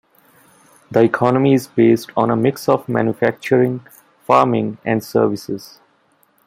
The economy is based on a mix of manufacturing, farming, and services.